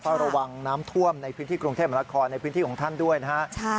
ระวังน้ำท่วมในพื้นที่กรุงเทพมนาคอนในพื้นที่ของท่านด้วยนะฮะ